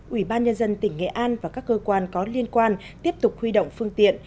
ủy ban nhân dân tỉnh nghệ an và các cơ quan có liên quan tiếp tục huy động phương tiện